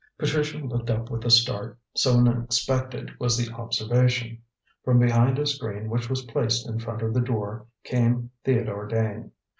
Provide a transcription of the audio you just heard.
Patricia looked up with a start, so unexpected was the observation. From behind a screen which was placed in front of the door came Theodore Dane.